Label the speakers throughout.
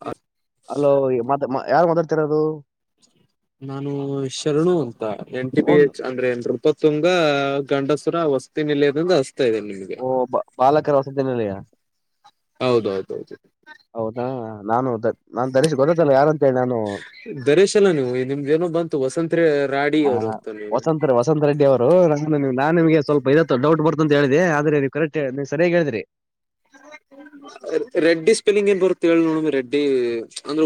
Speaker 1: ಹ.
Speaker 2: Hello madam ಯಾರು ಮಾತಾಡ್ತಿರದು.
Speaker 1: ನಾನು ಶರಣು ಅಂತ ಎನ್ ಟಿ ಪಿ
Speaker 2: ಒಂದು
Speaker 1: ಎಚ್ ಅಂದ್ರೆಪತ್. ತುಂಬಾ ಗಂಡಸುರ ವಸ್ತಿ ನಲೆದ್ರಿಂದ. ಇದೆ ನಿಮಗೆ
Speaker 2: ಓ ಬ ಬಾಲಕರ ವಸತಿ ನಿಲಯ
Speaker 1: ಹೌದೌತ ಹೌದು
Speaker 2: ಹೌದಾ ನಾನು ದ- ನಾನ್ ಧರೀಶ್ ಗೊತ್ತತ್ತಲ್ಲ ಯಾರಂತ ಹೇಳಿ ನಾನು
Speaker 1: ದರೇಶ್ ಎಲ್ಲ ನೀವು ನಿಮ್ದ ಬಂತು ವಸಂತ್ರಿ. ರಾಡಿ
Speaker 2: ಆ,
Speaker 1: ಅವರು ಹೋಗತಲ್ಲ. [inaudible]
Speaker 2: ವಸಂತ ವಸಂತ ರೆಡ್ಡಿ ಅವರು ನಾನು ನಿಮ್- ನಾನ್ ನೀವ್ ಸರಿಯಾಗಿ ಹೇಳಿದ್ರಿ.
Speaker 1: ರೆಡ್ಡಿ ಸ್ಪೆಲ್ಲಿಂಗ್ ಏನ್ ಬರುತ್ತೆ ಹೇಳಿ ನೋಡನ್ ರೆಡ್ಡಿ ಅಂದ್ರ.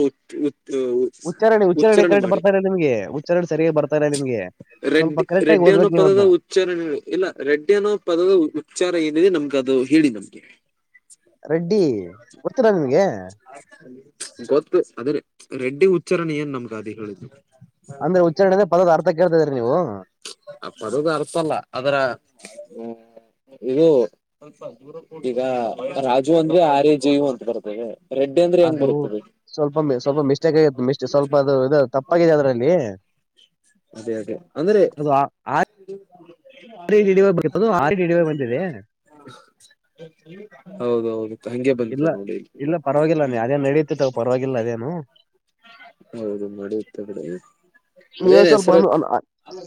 Speaker 2: ಉಚ್ಚರಣೆ ಉಚ್ಚರಣೆ ಕರೆಕ್ಟ್ ಬರ್ತಾ ಇಲ್ಲ ನಿಮಗೆ ಉಚ್ಚರಣೆ ಸರಿಯಾಗಿ ಬರ್ತಾ ಇಲ್ಲ ನಿಮ್ಗೆ. ಸ್ವಲ್ಪ
Speaker 1: ರೆಡ್ಡಿ
Speaker 2: ಕರೆಕ್ಟ್ ಆಗಿ
Speaker 1: ರೆಡ್ಡಿ ಅನ್ನೋ
Speaker 2: ಓದ್ಬೇಕು ನೀವ್
Speaker 1: ಪದದ
Speaker 2: ಅದ್ನ
Speaker 1: ಉಚ್ಚಾರನೆ ಇಲ್ಲ ರೆಡ್ಡಿ ಅನ್ನೋ ಪದದ ಉಚ್ಚಾರ ಏನಿದೆ ನಮ್ಗ ಅದು. ಹೇಳಿ ನಮ್ಗೆ
Speaker 2: ರೆಡ್ಡಿ ಗೊತ್ತಿಲ್ಲ ನಿಮ್ಗೆ
Speaker 1: ಗೊತ್ತ. ಅದರಿ ರೆಡ್ಡಿ ಉಚ್ಚಾರಣೆ ಏನ್ ನಮ್ಗ ಅದು ಹೇಳುದು.
Speaker 2: ಅಂದ್ರೆ ಉಚ್ಚಾರಣೆ ಪದದ ಅರ್ಥ ಕೇಳ್ತಾ ಇದ್ರಿ ನೀವು
Speaker 1: ಅ ಪಡುಗೆ ಅರ್ಥ ಅಲ್ಲ ಅದರ ಹ್ಮ ಇದು ಸ್ವಲ್ಪ ದೂರ ಕೂಡ ಈಗ ರಾಜು ಅಂದ್ರೆ ಆರ್ಯ ಜಯವು ಅಂತ ಬರ್ತದೆ ರೆಡ್ಡಿ ಅಂದ್ರೆ ಹೆಂಗ್
Speaker 2: ಅದು
Speaker 1: ಬರ್ತದೆ
Speaker 2: ಸ್ವಲ್ಪ ಮ ಸ್ವಲ್ಪ ಮಿಸ್ಟೇಕ್ ಆಗತ್ತು ಮ ಸ್ವಲ್ಪ ಅದು ಇ ತಪ್ಪಾಗಿದೆ ಅದ್ರಲ್ಲಿ
Speaker 1: ಅದೇ ಅದೇ ಅಂದ್ರೆ [inaudible]
Speaker 2: ಡಿ ಡಿ ವೈ ಬಂದಿದೆ
Speaker 1: ಹೌದೌದು ಹಗೆ
Speaker 2: ಇಲ್ಲ
Speaker 1: ಬಂದಿದೆ ನೋಡಿ
Speaker 2: ಇಲ್ಲ ಪರವಾಗಿಲ್ಲ ನೀ ಅದೇನ್ ನಡೀತಿತ್ತವ ಪರವಾಗಿಲ್ಲ ಅದೇನು
Speaker 1: ಹೌದು ಮಾಡಡಿಯುತ್ತೆ ಕಡೆ
Speaker 2: ನೀವ
Speaker 1: ೇನ್
Speaker 2: ಸ್ವಲ್ಪ
Speaker 1: ಹೆಸರುತ್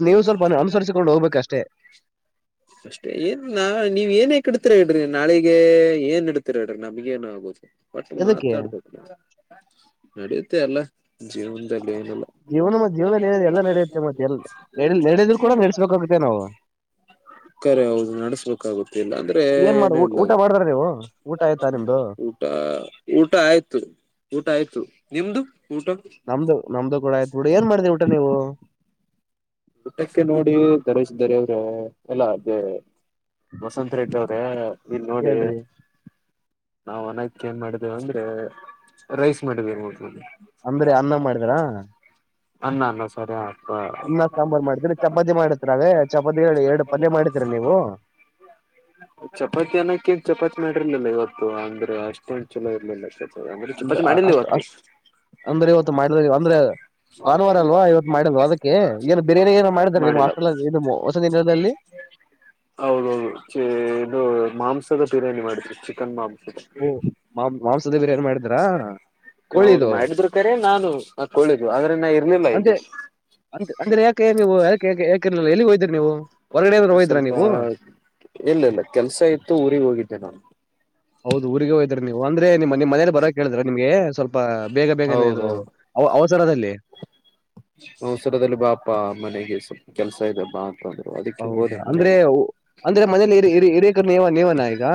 Speaker 2: ನೀವು ಸ್ವಲ್ಪ ಅನುಸರಿಸಿಕೊಂಡು ಹೋಗ್ಬೇಕಷ್ಟೇ
Speaker 1: ಅಷ್ಟೇ ಏನ್ ನಾ ನೀವ್ ಏನ ಕಡ ಇಡ್ರಿ ನಾಳಿಗೆ ಏನ್ ಇಡ್ತೀರ ಇಡ್ರಿ ನಮ್ಗ ಏನ್ ಆಗುದು ಬಟ್
Speaker 2: ಎದಕ್ಕೆ
Speaker 1: ಮಾತಾಡ್ಬೋದು ನ ನಡಿಯುತ್ತೆ ಅಲ್ಲ ಜೀವದಲ್ಲ ಏನಲ್ಲ
Speaker 2: ಜೀವನ ಮತ್ ಜೀವನ ಏನ ಎಲ್ಲ ನಡೆಯುತ್ತೆ ಮತ್ತೆ ಎ ನಡ ನಡೆದ್ರು ಕೂಡ ನಡೆಸ್ಬೇಕಾಗುತ್ತೆ ನಾವು
Speaker 1: ಕರೆ ಹೌದು ನಡ್ಸ್ಬೇಕಾಗುತ್ತೆ ಇಿಲ್ಲ ಅಂದ್ರೆ
Speaker 2: ಏನ್ ಮಾಡ
Speaker 1: ಏನು ಇಲ್ಲ
Speaker 2: ಊಟ ಮಾಡ್ದಾರ ನೀವು ಊಟ ಆಯ್ತಾ ನಿಮ್ದು
Speaker 1: ಊಟ ಊಟ ಆಯ್ತು ಊಟ ಆಯ್ ನಿಮ್ದು ಊಟ
Speaker 2: ನಮ್ದು ನಮ್ದು ಕೂಡ ಆಯ್ತ್ು ಬಿಡು ಏನ್ ಮಾಡಿದೀ ಊಟ ನೀವು
Speaker 1: ಊಟಕ್ಕೆ ನೋಡಿ ದರೇಶ್ ದರ ಅವ್ರ ಎಲ್ಲ ಅದೇ ವಸತ್ ರ ಇದ್ದವ್ರೆ ಇಲ್ಲಿ ನೋಡಿ
Speaker 2: ಹೇಳ್ರಿ
Speaker 1: ನಾವವು ಒನಕ ಏನ್ ಮಾಡ್ದೇವ ಅಂದ್ರೆ ರೈಸ್ ಮಾಡ್ೇೋ
Speaker 2: ಅಂದ್ರೆ ಅನ್ನ ಮಾಡಿದ್ರಾ
Speaker 1: ಅಲ್ಲ ಅಲ್ಲ ಸರಿ ಆಗ್ತಾ
Speaker 2: ಸಾಂಬಾರ್ು ಮಾಡತಿೀರಿ ಚಪತಿ ಮಾಡಿತಿರ ಅವೇ ಚಪಾತಿ ಎರಡು ಪದ್ಯ ಮಾಡತಿೀರ ನೀವು
Speaker 1: ಚಪಾತಿ ಅನ್ನ ಕಕ್ ಚಪಾತಿ ಮಾಡಿರ್ಲಿಲ್ಲ ಇವತ್ತು ಅಂದ್ರೆ ಅಷ್ಟೇನ್ ಚಲ ಇರ್ಲಿಲ್ಲ ಚ ಅಂದ್ರೆ
Speaker 2: ಅಂದ್ರ
Speaker 1: ಚಪಾತಿ ಮಾಡ
Speaker 2: ಅಷ್ಟು
Speaker 1: ಇವತ್ತು
Speaker 2: ಅಷ್ಟ ಅಂದ್ರೆ ಇವತ್ತು ಮಾಡಿದ್ವಿ ಅಂದ್ರೆ ಭಾನುವಾರ ಅಲ್ವಾ ಇವತ್ತು ಮಾಡಿದ್ವ ಅದಕ್ಕೆ ಏನು ಬಿರಿಯಾನಿ ಏನ ಮಾಡಿದ್ದಾರೆ ನಿಮ್ಮ್
Speaker 1: ಮಾಡಿಲ್ಲ
Speaker 2: ಹಸ್ಟೆಲ್ಲಿ ನಿಮ್ಮ ಹೊಸ ದಿನದಲ್ಲಿ
Speaker 1: ಹೌದೌದು ಇದು ಮಾಂಸದ ಬಿರಿಯಾನಿ ಮಾಡಿದ್ರು ಚಿಕನ್ ಮಾಂಸ
Speaker 2: ಓ ಮಾ ಮಾಂಸದೇ ಬಿರಿಯಾನಿ ಮಾಡಿದರಾ
Speaker 1: ಹೌದು ಮಾಡಿದ್ರು ಕರೆ ನಾನು ನ ಕೋಳಿದು ಆದ್ರೆ ನಾ ಇರ್ಲಿಲ್ಲ
Speaker 2: ಅಂತೆ
Speaker 1: ಇಲ್ಲಿ
Speaker 2: ಅಂತ ಅಂದ್ರೆ ಯಾಕೆ ನೀವು ಯಾಕೆ ಯಾಕ್ ಇರಲಿಲ್ಲ ಎಲ್ಲಿಗೆ ಹೋಗಿದ್ರಿ ನೀವು ಹೊರಗಡೆ ಏನಾದ್ರು ಹೋಗಿದ್ರಾ
Speaker 1: ಸ್ವಲ್ಪ
Speaker 2: ನೀವು
Speaker 1: ಇಲ್ಲ ಇಲ್ಲ ಕೆಲ್ಸ ಇತ್ತು ಊರಿಗೆ ಹೋಗಿದ್ದೆ ನಾನು
Speaker 2: ಹೌದು ಊರಿಗೆ ಹೋಗಿದ್ರಾ ನೀವು ಅಂದ್ರೆ ನಿಮ್ಮ ನಿಮ್ಮ ಮನೇಲಿ ಬರೋಕೆ ಹೇಳಿದ್ರಾ ನಿಮ್ಗೆ ಬಬೇಗ ಬೇಗನೆ ಇದು ಅವ
Speaker 1: ಹೌದೌದು
Speaker 2: ಅವ ಅವಸರದಲ್ಲಿ
Speaker 1: ಅವಸರದಲ್ಲಿ ಬಾಪಾ ಮನೆಗೆ ಸ್ವಲ್ಪ ಕೆಲ್ಸ ಇದೆ ಬಾ ಅಂತಂದ್ರು ಅದಕ್ಕೆ ಹೋದೆ
Speaker 2: ಹೌದಾ ಅಂದ್ರೆ
Speaker 1: ಮನೆಗೆ
Speaker 2: ಅಂದ್ರೆ ಮನೇಲಿ ಹಿರಿ ಹಿರಿಕರು ನೀವೇನಾ ಈಗ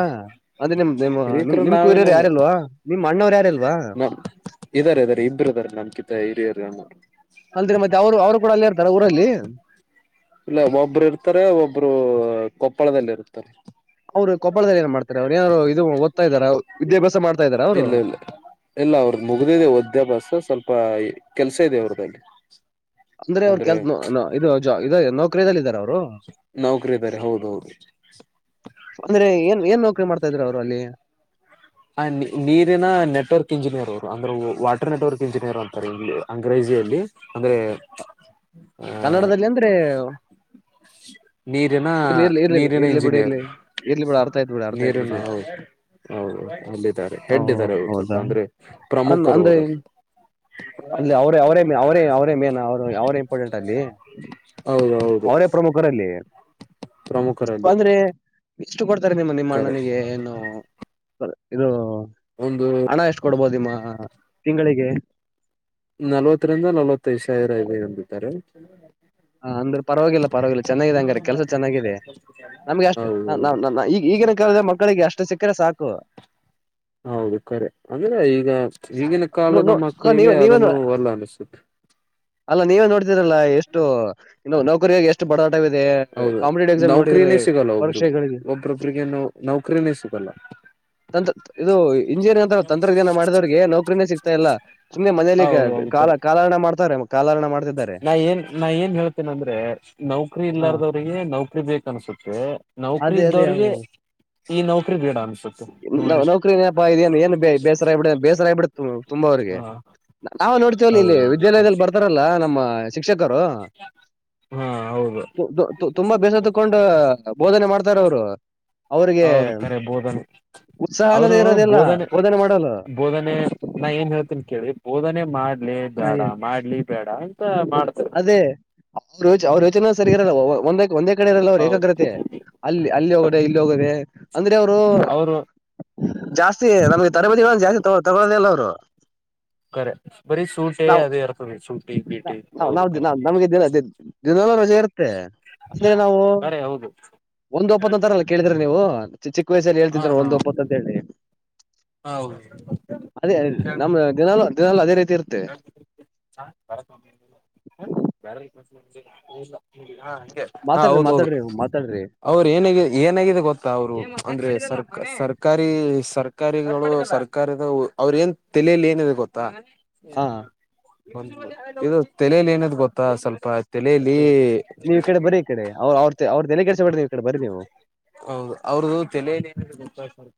Speaker 2: ಅಂದ್ರೆ ನಿಮ್ಮ ನಿಮ್
Speaker 1: ಹಿರಿತರು
Speaker 2: ನಿಮ್ ಕುೂರ್ಯೋರು
Speaker 1: ನಾವೇನಲ್ಲ
Speaker 2: ಯಾರಿಲ್ವಾ ನಿಮ್ ಅಣ್ಣವ್ರು ಯಾರಿಲ್ವಾ
Speaker 1: ನಮ್ ಇದಾರೆ ಇದಾರೆ ಇಬ್ರು ಇದದಾರೆ ನಮ್ ಕಿತ್ತ ಹಿರಿಯರು
Speaker 2: ಅಲ್ರಿ ಮತ್ತೆ ಅವರು ಅವರು ಕೂಡ ಅಲ್ಲೇ ಇರ್ತಾರ ಊರಲ್ಲಿ
Speaker 1: ಇಲ್ಲ ಒಬ್ಬರು ಇರ್ತಾರೆ ಒಬ್ರು ಕೊಪ್ಪಳದಲ್ಲಿ ಇರ್ತಾರೆ
Speaker 2: ಅವ್ರು ಕೊಪ್ಪಳದಲ್ಲಿ ಏನ್ ಮಾಡ್ತಾರೆ ಅವ್ರು ಏನಾದ್ರು ಇದು ಓದ್ತಾ ಇದಾರ ವಿದ್ಯಾಭ್ಯಾಸ ಮಾಡ್ತಾ ಇದಾರ ಅವ್ರು
Speaker 1: ಇಲ್ಲ ಇಲ್ಲ. ಎಲ್ಲ ಅವ್ರದ ಮುಗ್ದಿದೆ ವದ್ಯಾಭಾಸ ಸ್ವಲ್ಪ ಕೆಲ್ಸ ಇದೆ ಅವರದಲ್ಲಿ.
Speaker 2: [unintelligible] ಅಂದ್ರೆ
Speaker 1: ನೌಕರಿ ಇದ್ದಾರೆ ಹೌದೌದು
Speaker 2: ಏನ್ ಏನ್ ನೌಕರಿ ಮಾಡ್ತಾ ಇದ್ರು ಅವ್ರು ಅಲ್ಲಿ
Speaker 1: ಆ ನೀ ನೀರಿನ ನೆಟ್ವರ್ಕ್ ಇಂಜಿನಿಯರ್ ಅವ್ರು ಅಂದ್ರೆ ವಾಟರ್ ನೆಟ್ವರ್ಕ್ ಇಂಜಿನಿಯರ್ ಅಂತಾರೆ ಇ ಅಂಗ್ರೇಜಿ ಅಂದ್ರೆ ಆ
Speaker 2: ಕನ್ನಡದಲ್ಲಿ ಅಂದ್ರೆ
Speaker 1: ನೀರಿನ
Speaker 2: ಇರ್ಲಿ ಇರ್ಲಿ ಇರ್ಲಿ
Speaker 1: ನೀರಿನ
Speaker 2: ಇರ್ಲಿ ಬಿಡಿ
Speaker 1: ಇಂಜಿನಿಯರ್
Speaker 2: ಇರ್ಲಿ ಇರ್ಲಿ ಬಿಡ ಅರ್ಥ ಆಯ್ತ್ ಬಿಡಿ ಅರ್ಥ ಆಯ್ತ್
Speaker 1: ನೀರಿನ
Speaker 2: ಬಿಡ್ರಿ
Speaker 1: ಹೌದು ಹೌದ ಅಲ್ಲಿದ್ದಾರೆ
Speaker 2: ಓ
Speaker 1: ಹೆಡ್ ಇದಾರೆ ಅವರು ಸ್ವಲ್ಪ
Speaker 2: ಹೌದಾ
Speaker 1: ಅಂದ್ರೆ
Speaker 2: ಅಂದ್
Speaker 1: ಪ್ರಮುಖರು
Speaker 2: ಅಂದ್ರೆ
Speaker 1: ಅವರು
Speaker 2: ಅಲ್ಲಿ ಅವರೇ ಅವರೇ ಅವರೇ ಅವರೇ ಮೇನ ಅವರು ಅವರೇ ಇಂಪಾರ್ಟೆಂಟ್ ಅಲ್ಲಿ
Speaker 1: ಹೌದು ಹೌದು
Speaker 2: ಅವರೇ ಪ್ರಮುಖರಲ್ಲಿ
Speaker 1: ಪ್ರಮುಖರಲ್ಲಿ
Speaker 2: ಇಷ್ಟು ಕೊಡ್ತಾರೆ ನಿಮ್ಮ ನಿಮ್ಮ
Speaker 1: ಕರೆ
Speaker 2: ಅಣ್ಣನಿಗೆ ಏನು ಇದು
Speaker 1: ಒಂದು
Speaker 2: ಹಣ ಎಷ್ಟು ಕೊಡ್ಬೋದು ನಿಮ್ಮ ತಿಂಗಳಿಗೆ.
Speaker 1: ನಲ್ವತ್ತರಿಂದ ನಲವತ್ತ ಐದ್ ಸಾವಿರ ಇದೇ ಅಂದಿದ್ದಾರೆ.
Speaker 2: ಹ ಅಂದ್ರೆ ಪರವಾಗಿಲ್ಲ ಪರವಾಗಿಲ್ಲ ಚೆನ್ನಾಗಿದೆ ಹಂಗ್ರ ಕೆಲ್ಸ ಚೆನ್ನಾಗಿದೆ. ನಮ್ಗೆ ಅಷ್ಟು ನ
Speaker 1: ಹೌದೌದು
Speaker 2: ನ ನಈಗ ಈಗಿನ ಕಾಲದ ಮಕ್ಕಳಿಗೆ ಅಷ್ಟು ಸಿಕ್ಕರೆ ಸಾಕು.
Speaker 1: ಹೌದು ಕರೆ ಅಂದ್ರೆ ಈಗ ಈಗಿನ
Speaker 2: ನೋ
Speaker 1: ಕಾಲದ
Speaker 2: ನೋ
Speaker 1: ಮಕ್ಕಳಿಗೆ,
Speaker 2: ನೀವ
Speaker 1: ಅದನ್ನು ಅಲ್ಲ ಅನಿಸುತ್ತೆ
Speaker 2: ಅಲ್ಲ ನೀವೇ ನೋಡ್ತೀರಲ್ಲ ಎಷ್ಟು, ಎಷ್ಟು ಬಡಾಟಿವಿದೆ
Speaker 1: ಹೌದು
Speaker 2: ಕಾಂಪಿಟೇಟಿವ್ ಎಕ್ಸಾಮ್ ನೋಡಿದಿರಾ
Speaker 1: ನೌಕರಿನೇ ಸಿಗಲ್ಲ ಒಬ್ರಿಗೂ
Speaker 2: ಪರೀಕ್ಷೆಗಳಿಗೆ,
Speaker 1: ಒಬ್ರೊಬ್ರಿಗೆ [unintelligible]
Speaker 2: ತಂ ಇದು ಇಂಜಿನಿಯರಿಂಗ್ ಅಂತ ತಂತ್ರಜ್ಞಾನ ಮಾಡಿದವ್ರಿಗೆ ನೌಕ್ರನೇ ಸಿಗ್ತಾ ಇಲ್ಲ. ಸುಮ್ನೆ ಮನೇಲಿ ಕ
Speaker 1: ಹೌದೌದು
Speaker 2: ಕಾಲ
Speaker 1: ಕರೆ
Speaker 2: ಕಾಲಹರಣ ಮಾಡ್ತಾರೆ ಕಾಲಹರಣ ಮಾಡ್ತಿದ್ದಾರೆ.
Speaker 1: ಏ ನ ಏ ಹೇಳುತಿನ, ಅಂದ್ರೆ ನೌಕರಿ
Speaker 2: ಹ
Speaker 1: ಇಲ್ಲಾರ್ದವ್ರಿಗೆ ನೌಕರಿ ಬೇಕ ಅನ್ಸುತ್ತೆ. ನೌಕರಿ
Speaker 2: ಅದೇ ಅದೇ
Speaker 1: ಇದ್ದವ್ರಿಗೆ, ಈ ನೌಕರಿ ಬೇಡ ಅನ್ಸುತ್ತೆ
Speaker 2: ಹೌದು
Speaker 1: ನೋಡಿ.
Speaker 2: ನೌಕರಿನಪ್ಪಾ ಇದೇನು
Speaker 1: ಹ
Speaker 2: ಅವರಿಗೆ ನಾವು ನೋಡ್ತೇವ ಇಲ್ಲಿ
Speaker 1: ಹೌದು
Speaker 2: ವಿದ್ಯಾಲಯದಲ್ಲಿ ಬರ್ತಾರಲ್ಲಾ ನಮ್ಮ ಶಿಕ್ಷಕ, ದರು,
Speaker 1: ಹಾ ಹೌದು
Speaker 2: ತು ತ್ತು ತ್ತುತುಂಬಾ ಬೇಸತ್ತುಕೊಂಡ ಬೋಧನೆ ಮಾಡ್ತಾರ ಅವ್ರು. ಅವ್ರಿಗೆ
Speaker 1: ಹೌದು ಕರೆ ಬೋದನೆ,
Speaker 2: ಉತ್ಸಾಹ
Speaker 1: ಅವರು
Speaker 2: ಅನ್ನೋದೇ ಇರೋದಿಲ್ಲ
Speaker 1: ಬೋಧನೆ,
Speaker 2: ಮಾಡಲು
Speaker 1: ಬೋಧನೆ, ನಾ ಏನ್ ಹೇಳ್ತೀನಿ, ಕೇಳಿ ಬೋಧನೆ ಮಾಡ್ಲಿ ಬೇಡ ಮಾಡ್ಲಿ ಬೇಡ ಅಂತ ಮಾಡ್ತಾರೆ.
Speaker 2: ಅದೇ ಅವ್ರ ಯೋಚ ಅವ್ರ ಯೋಚನೆ ಸರಿ ಇರಲ್ಲ ಒಂದೇ ಕಡೆಒಂದೇ ಒಂದೇ ಕಡೆ ಇರಲ್ಲ ಅವ್ರರು ಏಕಾಗ್ರತೆ
Speaker 1: ಹೌದು
Speaker 2: ಅಲ್ಲಿ ಅಲ್ಲಿ ಹೋಗೋದೆ ಇಲ್ಲಿ ಹೋಗೋದೆ. ಅಂದ್ರೆ ಅವರು
Speaker 1: ಅವರು
Speaker 2: ಜಾಸ್ತಿ ನಮ್ಗೆ ತರಬೇತಿಗಳನ್ನು ಜಾಸ್ತಿ ತಗ ತಗೊಳ್ಳಿಲ್ಲ ಅವ್ರು. [inaudible]
Speaker 1: ಕರೆ ಬರೀ ಸೂಟೆ ಅದೇ ಇರ್ತದೆ. ಸೂಟ
Speaker 2: ನಾವ್ ನಾವು ದಿನ ನಮ್ಗೆ ದಿನ ದಿನಲು ರಜೆ ಇರುತ್ತೆ. ಅಂದ್ರೆ ನಾವು
Speaker 1: ಕರೆ ಹೌದು.
Speaker 2: ಒಂದ್ ಒಪ್ಪತ್ ಅಂತಾರಲ್ಲ ಕೇಳಿದ್ರಿ ನೀವು. ಚಿಕ್ಕ ವಯಸ್ಸಲ್ಲಿ
Speaker 1: ಹಾ
Speaker 2: ಹೇಳ್ತಿದ್ರ ನೋಡಿ ಒಂದ್ ಒಪ್ಪತ್ ಅಂತ ಹೇಳಿ.
Speaker 1: ಹೌದು
Speaker 2: ಅದೇ ನಮ್ಮ ದಿನಲು ದಿನಲು ಅದೇ ರೀತಿ,
Speaker 1: [unintelligible]
Speaker 2: ಇರುತ್ತೆ
Speaker 1: ಹಾ
Speaker 2: ಮಾತಾಡ್ರಿ
Speaker 1: ಹೌದು ಹೌದು.
Speaker 2: ಮಾತಾಡ್ರಿ ಮಾತಾಡ್ರಿ
Speaker 1: ಅವ್ರ ಏನ ಏನಾಗಿದೆ ಗೊತ್ತಾ ಅವ್ರು ಅಂದ್ರೆ ಸರ್ ಸರ್ಕಾರಿ. ಸರ್ಕಾರಿಗಳು ಸರ್ಕಾರದ ಅವ್ರ ಏನ್ ತೆಲೆಲಿ ಏನಿದೆ ಗೊತ್ತಾ.
Speaker 2: ಹಾ
Speaker 1: ಇದು ತೆಲೆಲಿ ಏನದ ಗೊತ್ತಾ, ಸ್ವಲ್ಪ ತೆಲೆಲಿ,
Speaker 2: ನೀವು ಈ ಕಡೆ ಬರೀ ಈಕಡಿ ಅವ್ರ ಅವ್ರ ಅವ್ರ್ದತೆಲೆ ಕೆಡೇಸ ಬೇಡ್ರಿ ನೀವು ಈ ಕಡೆ ಬರಿ ನೀವು.
Speaker 1: ಹೌದು ಅವ್ರ್ದ ತಲೆಯಲ್ಲಿ ಏನಿದೆ ಗೊತ್ತಾ ಸ್ವಲ್ಪ,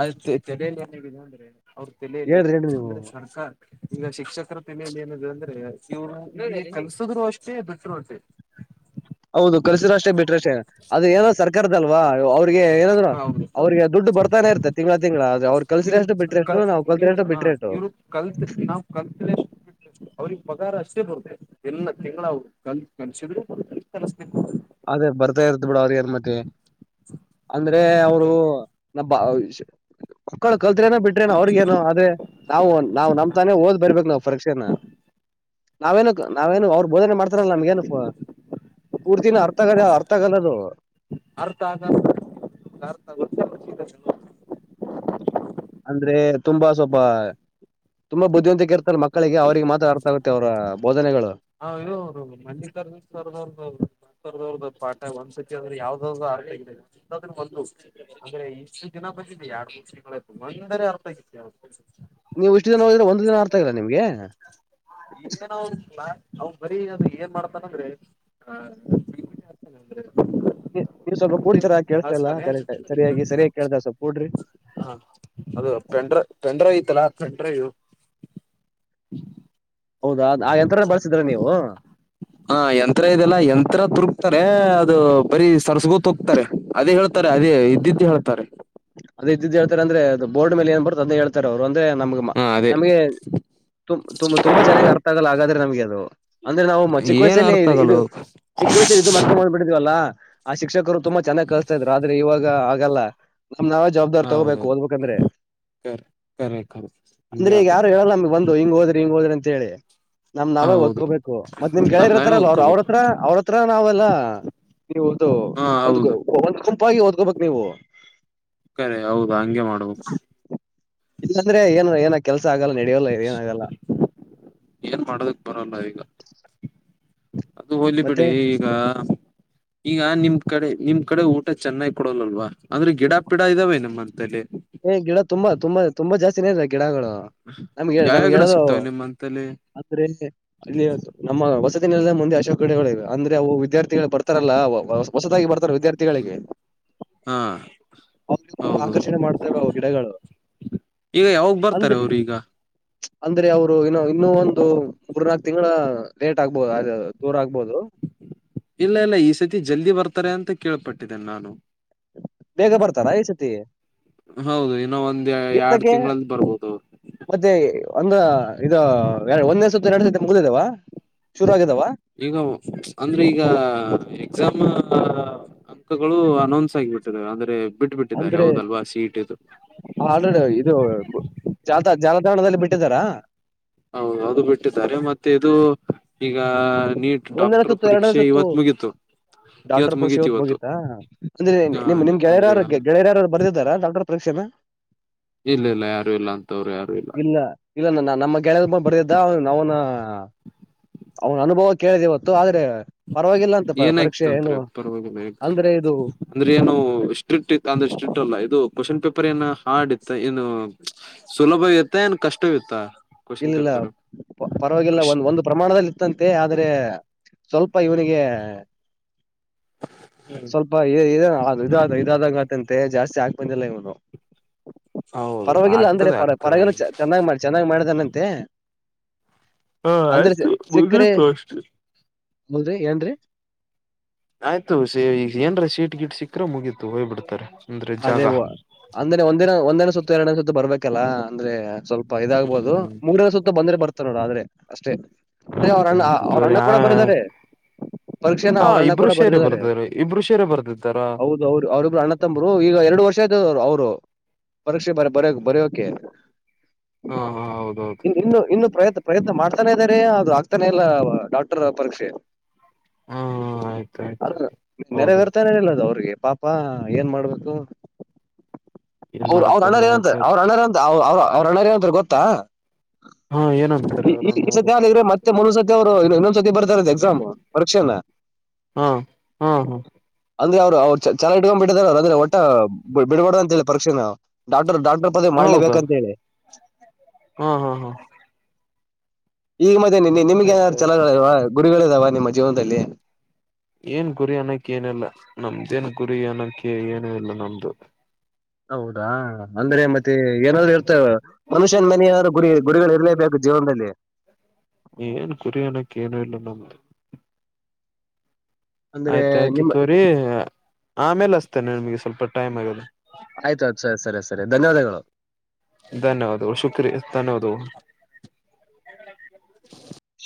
Speaker 1: ಅ ತೆಲೆಲಿ ಏನಿದೆ ಅಂದ್ರೆ ಅವ್ರ ತೆಲೆಲಿ
Speaker 2: ಹೇಳ್ರಿ ಹೇಳ್ರಿ
Speaker 1: ಅಂದ್ರೆ ಸರ್ಕಾರ, ಈಗ ಶಿಕ್ಷಕರ ತಲೆಯಲ್ಲಿ ಏನ ಇದೆ ಅಂದ್ರೆ ಇವ್ರು ಕಲ್ಸುದ್ರು ಅಷ್ಟೇ ಬಿಟ್ಟರು ಅಷ್ಟೆ.
Speaker 2: ಹೌದು ಕಲ್ಸರ ಅಷ್ಟೇ ಬಿಟ್ರಷ್ಟೇ ಅದು ಏನ ಸರ್ ಕರ್ದಲ್ವಾ ಅವ್ರಿಗೆ ಏನಾದ್ರು
Speaker 1: ಹೌದು
Speaker 2: ಅವ್ರಿಗೆ ದುಡ್ಡು ಬರ್ತಾನೆ ಇರ್ತೆ ತಿಂಗಳ ತಿಂಗಳ ಆದ್ರೆ ಅವ್ರು ಕಲಿಸಿದ್ರ ಎಷ್ಟು ಬಿಟ್ರೆ ಎಷ್ಟು
Speaker 1: ವ ಹ ಇವ್ರು ಕಲ್ತ್ ನಾವು ಕಲ್ತ್ಲಎಷ್ಟ ಅವ್ರಿಗೆ ಪಗಾರ ಅಷ್ಟೇ ಬರುತ್ತೆ ಎಲ್ಲ ತಿಂಗಳ ಕಲಸಿದ್ರೆ ಬರತ್ತೆ ಕಳಸಿಲಿಕ್ಕು ಬರುತೆ
Speaker 2: ಅದೇ ಬರ್ತಾ ಇರ್ತ ಬಿಡ ಅವ್ರ ಏನ್ ಮತ್ತ ಅಂದ್ರೆ ಅವರು ನ ಮಕ್ಕಳು ಕಲ್ತ್ರೇನ ಬಿಟ್ರೇನ ಅವ್ರಗೇನು ಅದೇ ನಾವು ನಾ ನಮ್ ತಾನೇ ಓದ್ ಬರ್ಬೇಕು ನಾವು. ಪರೀಕ್ಷೆನ ನಾವೇನು ನಾವೇನು ಅವ್ರ ಬೋಧನೆ ಮಾಡ್ತಾರಲ್ಲ ನಮ್ಗೇನು, ಪೂರ್ತಿನ ಅರ್ಥ ಆಗದ ಅರ್ಥ ಆಗಲ್ಲ ಅದು.
Speaker 1: [unintelligible]
Speaker 2: ಅಂದ್ರೆ ತುಂಬಾ ಸ್ವಲ್ಪ. ತುಂಬಾ ಬುದ್ಧಿವಂತಿಕೆ ಇರ್ತಾರ ಮಕ್ಕಳಿಗೆ ಅವ್ರಿಗೆ ಮಾತ್ರ ಅರ್ಥ ಆಗುತ್ತೆ ಅವರ ಬೋಧನೆಗಳು.
Speaker 1: ಹ ಇವರು ಅವ್ರು ಮಲ್ಲಿಕಾರ್ಜುನ್ ಸರ್ದ ಅವರ್ಧು, ಸರ್ ದು ಪಾಠ ಒಂದ್ಸತಿ ಆದ್ರೆ ಯಾವ್ದ ಆರಥಾದ್ರೆ ಒಂದು ಅಂದ್ರೆ ಇಷ್ಟು ದಿನ ಬ ದಿಯಾ ಎರಡು ದಷಗಳು ಒಂದರೆ ಅರೆ ಅರ್ಥ ಆಗತ್ತ ಲೆ ಅವ್ರುದು.
Speaker 2: ನೀವು ಇಷ್ಟು ದಿನ ಹೋದ್ರೆ ಒಂದ್ ದಿನ ಅರ್ತಾ ಆಗಿಲ್ಲ ನಿಮ್ಗೆ.
Speaker 1: ಅವ್ ಬರೀ ಅ ಏನ್ ಮಾಡ್ತಾನ ಅಂದ್ರೆ ಆಗ್ತಾನ ಅಂದ್ರೆ
Speaker 2: ನೀವ್ ಸ್ವಲ್ಪ ಕೂಡ್ತರಾ ಕೇಳ್ತಲ್ಲ ಕರೆಕ್ ಸರಿಯಾಗಿ ಸರಿಯಾಗಿ ಕೇಳ್ತಾರ ಸ್ವಲ್ಪ ಕೂಡ್ರಿ
Speaker 1: ಹಾ ಅದು ಪೆಂಡ್ರ ಪೆಂಡ್ರೈ ಇತಲಾ ಪೆಂಡ್ರಯು
Speaker 2: ಹೌದಾ ಆ ಯಂತ್ರನ ಬಳಸಿದ್ರ ನೀವು
Speaker 1: ಹಾ ಯಂತ್ರ ಇದೆಲ್ಲ ಯಂತ್ರ ತುರುಕ್ತಾರೆ ಅದು ಬರೀ ಸರಸಗೊಂತ ಹೋಕ್ತಾರೆ ಅದೇ ಹೇಳ್ತಾರೆ ದೇ ಇದ್ದಿದ್ದು ಹೇಳ್ತಾರೆ
Speaker 2: ಅದ ಇದ್ದ ಹೇಳ್ತಾರೆಂದ್ರೆ ಬೋಡ್ ಮೇಲೆ ಏನ್ ಬರದ ಅದೇ ಹೇಳತಾರೆ ಅವರು ಅದೇ ನಮಗ
Speaker 1: ಹ ಅದೇ
Speaker 2: ನಮಗೆ ತು ತುಂಬ ತುಂಬಾ ಚೆನ್ನಾಗ ಅರ್ಥ ಆಗಲ್ಲ ಹಾಗಾದ್ರೆ ನಮ್ಗೆ ಅದು ಅಂದ್ರೆ ನಾವುಮ್ಮ ಚಿಕ್ಕ
Speaker 1: ಏನ್
Speaker 2: ವಯಸಲ್ಲಿ
Speaker 1: ಅರ್ಥ ಆಗಲ್ಲ
Speaker 2: ಇದು ಚಿಕ್ಕ ವಯಸಲ್ಲಿ ಇದು ಮಾಡ್ಕೊ ಬಂದ್ಬ ಬಿಟ್ಟಿದ್ವಲ್ಲ ಆ ಶಿಕ್ಷಕರು ತುಂಬಾ ಚೆನ್ನಾಗ್ ಕಳಸ್ತಾ ಇದ್ರು ಆದ್ರೆ ಇವಾಗ ಆಗಲ್ಲ ನಮ್ ನಾವೇ ಜವಾಬ್ದಾರ್ ತಗೋಬೇಕು
Speaker 1: ಹೌದೌದು
Speaker 2: ಓದಬೇಕಂದ್ರೆ
Speaker 1: ಕರೆ ಕರೆ ಕರೆ ಹಿಂಗೆ
Speaker 2: ಅಂದ್ರೆ ಈಗ ಯಾರು
Speaker 1: ಆಗುತ್ತೆ
Speaker 2: ಹೇಳಲ್ಲ ನಮಗ್ ಬಂದು ಹಿಂಗ ಹೋದ್ರಿ ಹಿಂಗ್ ಹೋದ್ರಿ ಅಂತ ಹೇಳಿ ನಮ್ ನಾವೇ
Speaker 1: ಹೌದು
Speaker 2: ಓದ್ಕೋಬೇಕು ಮತ್
Speaker 1: ನಮ್
Speaker 2: ನಿಮ್ಗೆಳೆಯ್ರ
Speaker 1: ನಾವೇ
Speaker 2: ಇರ್ತಾರಲ್ಲ ಅವ್ರ
Speaker 1: ಓದ್ಕೋಬೇಕು
Speaker 2: ಅವ್ರತ್ರ ಅವ್ರ ಹತ್ರ ನಾವೆಲ್ಲ ನೀವುಅದು
Speaker 1: ಹಾ
Speaker 2: ಒಂದ
Speaker 1: ಹೌದು
Speaker 2: ಒಂದ್ ಗುಂಪಾಗಿ ಓದಕೊಬೇಕ್ ನೀವು
Speaker 1: ಕರೆ ಹೌದಾ ಹಂಗೆ ಮಾಡಬೇಕು
Speaker 2: ಕೆಲ್ಸ ಆಗಲ್ಲ ನಡಿಯೋಲ್ಲ ಇದ ಏನ ಆಗಲ್ಲ
Speaker 1: ಏನ್ ಮಾಡೋದಕ್ ಬರಲ್ಲ ಈಗ ಅದು ಹೋಲಿ
Speaker 2: ಮತ್ತೆ
Speaker 1: ಬಿಡಿ ಈಗ ಈಗ ನಿಮ್ ಕಡೆ ನಿಮ್ ಕಡೆ ಊಟ ಚೆನ್ನಾಗಿ ಕೊಡೋಲ್ಲಲ್ವಾ ಅಂದ್ರೆ ಗಿಡ ಪಿಡ ಇದಾವೆ ನಿಮ್ಮ್ತಲ್ಲಿ
Speaker 2: ಅಚೀವಿರ ಗಿಡಾಗಗಳು ನಮ್ಗೆ
Speaker 1: ಯಾವ್ಯಾವ
Speaker 2: ನಮ್ಗೆ
Speaker 1: ಗಿಡ
Speaker 2: ಹೇಳದು
Speaker 1: ಸಿಗ್ತವೆ ನಿಮ್ಮಂತಲ್ಲಿ
Speaker 2: ಅದ್ರ ಲ್ಲಿ ನಮ್ಮ ಹೊಸ ದ ಮುಂದೆ ಅಶೋಕ ಗಿಡಗಳಿವೆ ಅಂದ್ರೆ ಅವು ವಿದ್ಯಾರ್ಥಿಗಳು ಬರ್ತಾರಲ್ಲ ಹೊಸದಾಗಿ ಬರ್ತಾರಲ ವಿದ್ಯಾರ್ಥಿಗಳಿಗೆ
Speaker 1: ಹಾ
Speaker 2: ಅವ್ರಿಗೆ ತುಂಬಾ
Speaker 1: ಹೌದು
Speaker 2: ಆಕರ್ಷಣೆ ಮಾಡ್ತವೆ ಅವು ಗಿಡಗಳು
Speaker 1: ಈಗ ಯಾವಾಗ ಬರ್ತಾರೆ
Speaker 2: ಅಂದ್ರೆ
Speaker 1: ಅವರು ಈಗ
Speaker 2: ಅಂದ್ರೆ ಅವರು ಇನ್ನ ಇನ್ನುೂ ಒಂದು ಮೂರ್ನಾಕ್ ತಿಂಗಳ ಲೇಟ್ ಆಗ್ಬೋದು ಅ ದೂರ ಆಗ್ಬೋದು
Speaker 1: ಇಲ್ಲ ಇಲ್ಲ ಈ ಸತಿ ಜಲ್ದಿ ಬರ್ತಾರೆ ಅಂತ ಕೇಳ್ಪಟ್ಟಿದ್ದೇನೆ ನಾನು
Speaker 2: ಬೇಗ ಬರ್ತಾರಾ ಈ ಸತಿ
Speaker 1: ಹೌದು ಇನ್ನು ಒಂದ್ ಎರಡ್
Speaker 2: ಏತಕ್ಕೆ
Speaker 1: ತಿಂಗಳಲ್ಲಿ ಬರ್ಬೋದು
Speaker 2: ಮತ್ತೆ ಒಂದು ಇದು ಒಂದೇ ಸುತ್ತ ಎರಡ್ ಸತಿ ಮುಗ್ದದವ
Speaker 1: ಈಗ ಅಂದ್ರೆ ಈಗ ಎಕ್ಸಾಮ್ ಅಂಕಗಳು ಅನೌನ್ಸ್ ಆಗಿಬಿಟ್ಟಿದೆ ಅಂದ್ರೆ ಬಿಟ್ಟು ಬಿಟ್ಟಿದ್ದಾರೆ
Speaker 2: ಅಂದ್ರೆ
Speaker 1: ಹೌದಲ್ವಾ ಸೀಟ್ ಇದು
Speaker 2: ಆಲ್ರೆಡಿ ಇದು ಜಾಲ ಜಾಲತಾಣದಲ್ಲಿ ಬಿಟ್ಟಿದ್ದಾರಾ
Speaker 1: ಹೌದು ಅದು ಬಿಟ್ಟಿದ್ದಾರೆ ಮತ್ತೆ ಇದು ಈಗ ನೀಟ್
Speaker 2: ಒಂದನೇ
Speaker 1: ಡಾಕ್ಟರ್
Speaker 2: ಸುತ್ತು ಎರಡನೇ
Speaker 1: ಪರೀಕ್ಷೆ
Speaker 2: ಸುತ್ತು
Speaker 1: ಇವತ್ತು ಮುಗತು
Speaker 2: ಡಾಕ್ಟರ್
Speaker 1: ಇವತ್
Speaker 2: ಪರೀಕ್ಷೆ
Speaker 1: ಮುಗೀತು
Speaker 2: ಓತ್ ಹೋಗಿತ್ತಾ ಅಂದ್ರೆ
Speaker 1: ಹ
Speaker 2: ನಿಮ್ ನಿಮ್
Speaker 1: ಅಂದ್ರೆ
Speaker 2: ಗೆಳರ್ಯಾರ ಗೆಳೆಯರಾರ ಬರ್ದಿದಾರಾ ಡಾಕ್ಟರ್ ಪರೀಕ್ಷೆನಾ
Speaker 1: ಇಲ್ಲ ಇಲ್ಲ ಯಾರು ಇಲ್ಲ ಅಂತವ್ರು ಯಾರು
Speaker 2: ಇಲ್ಲ ಇಲ್ಲ ನ ನಮ್ಮ ಕೆಳೆಯ ಬರ್ದಿದ್ದ ನಾವನ ಅವನ್ ಅನುಭವ ಕೇಳಿದೆ ಇವತ್ತು ಆದ್ರೆ ಪರವಾಗಿಲ್ಲ ಅಂತ ಪರೀಕ್ಷೆ ಏನು
Speaker 1: ಏನಾಯ್ತಂತ್ರಿ ಪರವಾಗಿಲ್ಲ
Speaker 2: ಅಂದ್ರೆ ಇದು
Speaker 1: ಅಂದ್ರೆ ಏನು ಸ್ಟ್ರಿಕ್ಟ್ ಇ ಅಂದ್ರೆ ಸ್ಟ್ರಿಕ್ ಅಲ್ಲ ಇದು ಕ್ವಶನ್ ಪೇಪರ್ ಏನು ಹಾರ್ಡ್ ಇತ್ತ ಏನು ಸುಲಭ ಇತ್ತ ಏನ್ ಕಷ್ಟವ ಇತ್ತ
Speaker 2: ಇಲ್ಲಲ್ಲ ಪರವಾಗಿಲ್ಲ ಒಂದ್ ಒಂದು್ ಪ್ರಮಾಣದಲ್ಲಿ ಇತ್ತಂತೆ ಆದ್ರೆ ಸ್ವಲ್ಪ ಇವನಿಗೆ ಸ್ವಲ್ಪ ಇದ ಇದಾದಾಗ ಮಾತ ಮತ್ತೆ ಜಾಸ್ತಿ ಹಾಕ್ ಬಂದಿಲ್ಲ ಇವನು
Speaker 1: ಹೌದು
Speaker 2: ಪರವಾಗಿಲ್ಲ ಅಂದ್ರೆ
Speaker 1: ಆಗ್ತದೆ
Speaker 2: ಪರ
Speaker 1: ಆಗ್ತದೆ
Speaker 2: ಪರವಾಗಿಲ್ಲ ಚೆನ್ನಾಗ್ ಮಾಡ ಚೆನ್ನಾಗಿ್ ಮಾಡಿದಾನಂತೆ
Speaker 1: ಹಾ
Speaker 2: ಅಂದ್ರೆ
Speaker 1: ಆಯ್ತು ಮುಗತ್ತು ಅಷ್ಟೇ
Speaker 2: ಮುಡೇ ಏನ್ರೀ
Speaker 1: ಆಯ್ತು ಸ ಈಗ ಏನ್ರ ಶೀಟ್ ಗಿಟ್ ಸಿಕ್ಕ್ರ ಮುಗೀತು ಹೋಗ್ಬ ಬಿಡ್ತಾರ
Speaker 2: ಅದೇ ವ ಅಂದ್ರೆ ಒಂದಿನ ಒಂದನ ಸುತ್ತು ಎರಡನ ಸುತ್ತು ಬರ್ಬೇಕಲ್ಲ ಅಂದ್ರೆ ಸ್ವಲ್ಪ ಇದಾಗಬಹುದು ಮೂಂಗಲ್ಲ ಸುತ್ತ ಬಂದ್ರೆ ಬರ್ತ ನೋಡ ಆದ್ರೆ ಅಷ್ಟೇ
Speaker 1: ಆಯ್ತ
Speaker 2: ಅವ್ರಣ್ಣ
Speaker 1: ಆಯ್ತು
Speaker 2: ಅವ್ರ
Speaker 1: ತೋರಿ
Speaker 2: ಅಣ್ಣ ಕೂಡ ಬರದ ೆ
Speaker 1: ಹ
Speaker 2: [inaudible] ಪರೀಕ್ಷೆನ ಅವ್ರ ಅಣ್ಣ
Speaker 1: ಇಬ್ರು
Speaker 2: ಕೂಡ
Speaker 1: ಶೇರೆ
Speaker 2: ಬರ್ದಿದ್ದಾರೆ
Speaker 1: ಬರ್ದಾರ ಇಬ್ರು ಶೇರೆ ಬರ್ದಿದ್ದಾರಾ
Speaker 2: ಹೌದು ಅವರು ಅವ್ರಿಬ್ರು ಅಣ್ಣ ತಂಬರು ಈಗ ಎರಡು ವರ್ಷ ಆಯತದರು ಅವರು ಪರಕ್ಷೆ ಬರ ಬರ ಬರೋಕೆ
Speaker 1: ಹಾ ಹಾ ಹೌದೌದು
Speaker 2: ಇ ಇನ್ನು ಇನ್ನು ಪ್ರಯತ್ನ ಪ್ರಯತ್ನ ಮಾಡ್ತಾನೆ ಇದ್ದಾರೆ ಅದು ಆಗ್ತಾನೆ ಇಲ್ಲ ಡಾಕ್ಟರ್ ಪರೀಕ್ಷೆ
Speaker 1: ಹಾ ಆಯ್ತ
Speaker 2: ಅ
Speaker 1: ಆಯ್ತು
Speaker 2: ನಿನ್ನೆರೆ
Speaker 1: ಹೌದು
Speaker 2: ಬರ್ತಾನ ಇಲ್ಲ ಅದು ಅವ್ರಿಗೆ ಪಾಪ ಏನ್ ಮಾಡ್ಬೇಕು
Speaker 1: ಏನ್
Speaker 2: ಅವರು
Speaker 1: ಮಾಡಕ್
Speaker 2: ಅವ್ರ
Speaker 1: ಬರ್ಲ
Speaker 2: ಅಣ್ಣಾರ್ ಏನಂತ
Speaker 1: ಆಯ್ತ
Speaker 2: ಅವ್ರ
Speaker 1: ಆಯ್ತು
Speaker 2: ಅಣ್ಣರ್ ಅಂತ ಅವ ಅವ್ರ ಅಣ್ಣಾರ್ ಏನಂತಾರೆ ಗೊತ್ತಾ
Speaker 1: [inaudible] ಹಾ ಏನ್ ಅನ್ತಾರೆ
Speaker 2: ಈ
Speaker 1: ಅವರಾಮ್
Speaker 2: ಈ
Speaker 1: ಅವರು
Speaker 2: ಸತಿ ಆದ್ರೆ ಮತ್ತೆ ಮುಂದೊಂದ್ ಸತಿ ಅವರು ಇನ್ನೊಂದ್ ಸತಿ ಬರ್ತಾರ ಎಕ್ಸಾಮ್ ಪರೀಕ್ಷೆನ
Speaker 1: ಹಾ ಹ್ಮ ಹಾ
Speaker 2: ಅಂದ್ರೆ ಅವರು ಅವ್ರು ಚ ಇಡ್ಕೊಂಡ್ ಬಿಟ್ಟಿದಾರರು ಆದ್ರೆ ಒಟ್ಟ ಬಿಡಬಡ ಅಂತ ಪರಿಕ್ಷೆ ನವು ಡಾಕ್ಟರ್ ಡಾಕ್ಟರ್ ಪದವಿ ಮಾಡ್ಲೇಬೇಕಂತ ಹೇಳಿ
Speaker 1: ಹ್ಮ್ ಹ್ಮ್ ಹ್ಮ್
Speaker 2: ಈಗ ಮತ್ತ ನಿ ನಿಮ್ಗೆ ಏನಾದ್ರು
Speaker 1: ಆಯ್ತು
Speaker 2: ಚಛಲಗಳಲ್ವಾ ಗುರಿಗಳಿದಾವ ನಿಮ್ಮ ಜೀವನದಲ್ಲಿ
Speaker 1: ಏನ್ ಗುರಿ ಅನಕ್ಕೆ ಏನಲ್ಲ ನಮ್ದೇನ್ ಗುರಿ ಅನಕ್ಕೆ ಏನ ಇಲ್ಲ ನಮ್ದು
Speaker 2: ಹೌದು ಅಂದ್ರೆ ಮತ್ತೆ ಏನಾದ್ರು ಇರ್ತವೆ ಮನುಷ್ಯನ ಮನೆಯಾದ ಗುರಿ ಗುರಿಗಳು ಇರಲೇಬೇಕು ಜೀವನದಲ್ಲಿ
Speaker 1: ಏನ್ ಕುರಿಣಕ್ಕೇನೂ ಇಲ್ಲ ನಮ್ದ
Speaker 2: ಅಂದ್ರೆ
Speaker 1: ಆಯ್ತಾಯಯ್ತು
Speaker 2: ನಿಮ್
Speaker 1: ತೋರಿ ಆಮೇಲೆ ಅಸ್ತೇನೆ ನಿಮಗೆ ಸ್ವಲ್ಪ ಟೈಮ್ ಆಗದು
Speaker 2: ಆಯ್ತು ಆಯ್ತು ಸರಿ ಸರಿ ಸರಿ ಧನ್ಯವಾದಗಳು
Speaker 1: ಧನ್ಯವಾದ ಶುಕ್ರಿಯ ಧನ್ಯವಾದ